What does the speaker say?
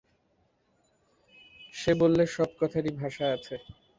সে বললে, সব কথারই ভাষা আছে?